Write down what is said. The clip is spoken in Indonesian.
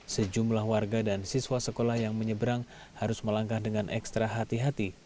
sejumlah warga dan siswa sekolah yang menyeberang harus melangkah dengan ekstra hati hati